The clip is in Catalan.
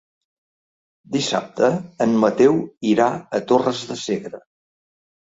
Dissabte en Mateu irà a Torres de Segre.